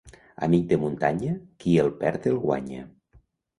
Amic de muntanya, qui el perd el guanya.